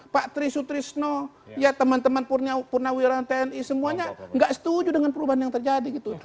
pak tri sutrisno ya teman teman purnawira tni semuanya nggak setuju dengan perubahan yang terjadi gitu